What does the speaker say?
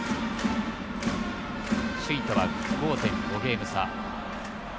首位とは５．５ゲーム差。